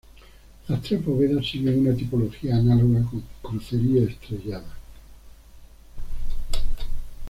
Las tres bóvedas siguen una tipología análoga con crucería estrellada.